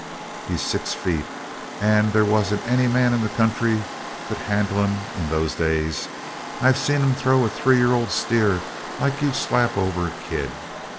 "He's six feet, and there wasn't any man in the country could handle him in those days. I've seen him throw a three year ol' steer like you'd slap over a kid.